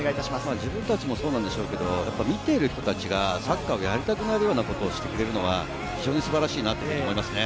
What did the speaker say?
自分達もそうなんでしょうけど見てる人たちがサッカーをやりたくなるようなことをしてくれるのが非常に素晴らしいなと思います。